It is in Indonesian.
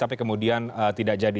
tapi kemudian tidak jadi